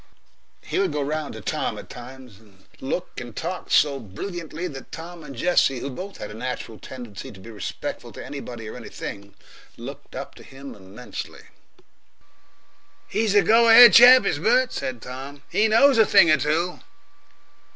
He would go round to Tom at times, and look and talk so brilliantly that Tom and Jessie, who both had a natural tendency to be respectful to anybody or anything, looked up to him immensely. "He's a go ahead chap, is Bert," said Tom. "He knows a thing or two."